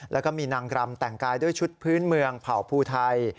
แล้วก็มีนางรำแต่งกายด้วยชุดพื้นเมืองเผ่าภูไทย